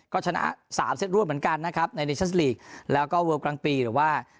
ก็ชนะสามเซตรวดเหมือนกันนะครับในดิชั่นลีกแล้วก็เวิลกลางปีหรือว่า